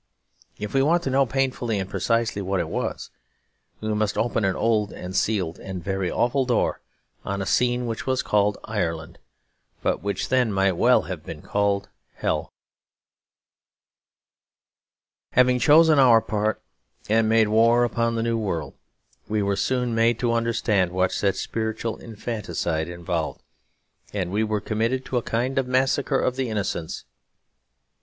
If we want to know painfully and precisely what it was, we must open an old and sealed and very awful door, on a scene which was called Ireland, but which then might well have been called hell. Having chosen our part and made war upon the new world, we were soon made to understand what such spiritual infanticide involved; and were committed to a kind of Massacre of the Innocents.